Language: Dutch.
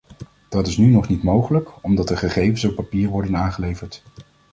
Dat is nu nog niet mogelijk, omdat de gegevens op papier worden aangeleverd.